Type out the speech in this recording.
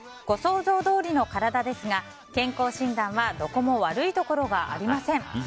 ご想像どおりの体ですが健康診断はどこも悪いところがありません。